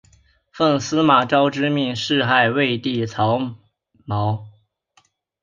奉司马昭之命弑害魏帝曹髦。